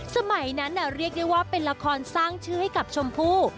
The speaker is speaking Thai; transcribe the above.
สมัยนั้นเรียกได้ว่าเป็นละครสร้างชื่อให้กับชมพู่